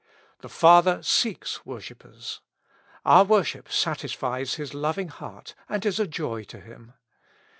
The Father seeks worship pers ; our worship satisfies His loving heart and is a joy to him.